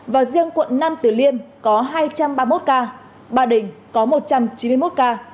và riêng quận nam tử liêm có hai trăm ba mươi một ca ba đình có một trăm chín mươi một ca